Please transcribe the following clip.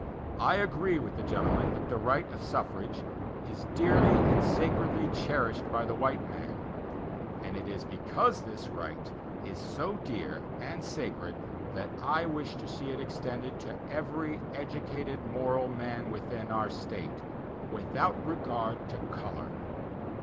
I agree with the gentleman that the right of suffrage is "dearly and sacredly cherished by the white man"; and it is because this right is so dear and sacred, that I wish to see it extended to every educated moral man within our State, without regard to color.